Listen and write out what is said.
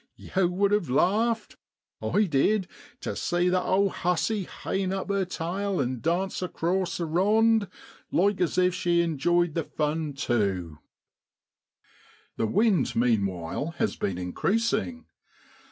Yow would a larfed I did tu see that old hussy hain up her tail an' dance across the rond like as if she enjoyed the fun tu.' The wind meanwhile has been increasing.